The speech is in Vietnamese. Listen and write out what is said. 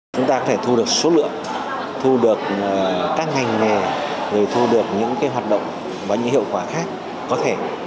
chúng ta có thể thu được số lượng thu được các ngành nghề thu được những hoạt động và những hiệu quả khác có thể